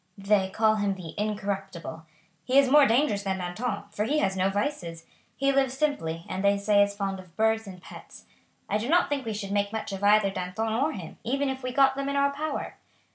They call him the 'incorruptible.' He is more dangerous than Danton, for he has no vices. He lives simply, and they say is fond of birds and pets. I do not think we should make much of either Danton or him, even if we got them in our power.